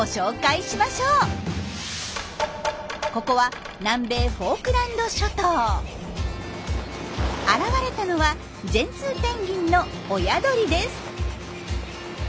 ここは現れたのはジェンツーペンギンの親鳥です。